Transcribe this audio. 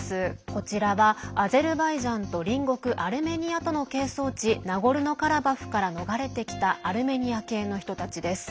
こちらはアゼルバイジャンと隣国アルメニアとの係争地ナゴルノカラバフから逃れてきたアルメニア系の人たちです。